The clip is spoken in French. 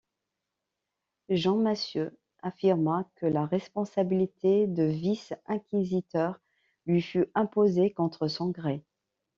Jean Massieu affirma que la responsabilité de vice-inquisiteur lui fut imposée contre son gré.